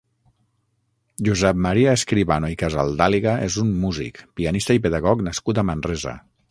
Josep Maria Escribano i Casaldàliga és un músic, pianista i pedagog nascut a Manresa.